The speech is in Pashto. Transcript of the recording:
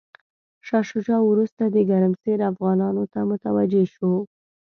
شاه شجاع وروسته د ګرمسیر افغانانو ته متوجه شو.